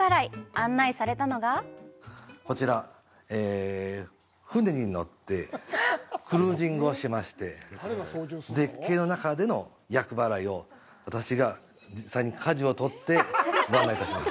案内されたのがこちら、船に乗ってクルージングをしまして絶景の中での厄払いを私が実際にかじをとってご案内いたします。